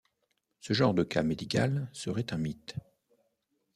Ce genre de cas médical serait un mythe.